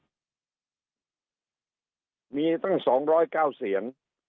มีตั้ง๒๐๙เสียง